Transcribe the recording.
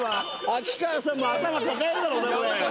秋川さんも頭抱えるだろうね。